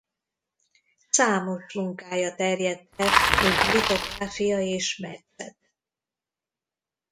Számos munkája terjedt el mint litográfia és metszet.